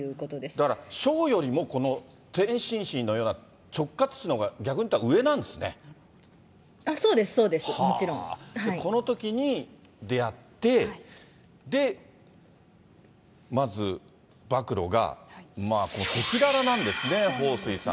だから省よりもこの天津市のような直轄市のほうが逆にいったそうです、そうです、もちろこのときに出会って、で、まず暴露が、赤裸々なんですね、彭帥さん。